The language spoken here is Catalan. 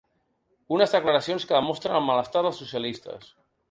Unes declaracions que demostren el malestar dels socialistes.